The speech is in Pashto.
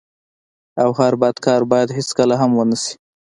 او هر بد کار بايد هيڅکله هم و نه سي.